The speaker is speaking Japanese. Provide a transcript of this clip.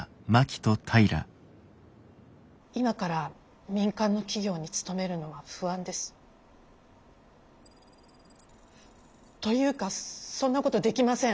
今から民間の企業に勤めるのは不安です。というかそんなことできません。